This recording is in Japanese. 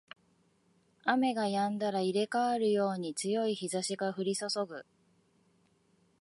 雨が止んだら入れ替わるように強い日差しが降りそそぐ